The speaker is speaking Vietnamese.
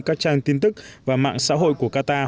các trang tin tức và mạng xã hội của qatar